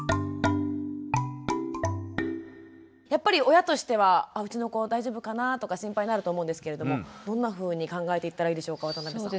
やっぱり親としてはうちの子大丈夫かな？とか心配になると思うんですけれどもどんなふうに考えていったらいいでしょうか渡邊さん。